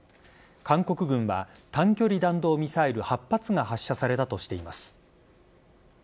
韓国軍は短距離弾道ミサイル８発が発射されたとしています。